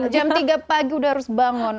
jam tiga pagi udah harus bangun